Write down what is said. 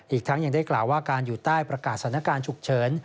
อีกทั้งยังได้กล่าวว่าการอยู่ใต้ประกาศสถานการณ์ฉุกเฉิน